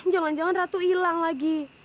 jangan jangan ratu hilang lagi